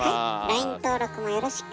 ＬＩＮＥ登録もよろしく。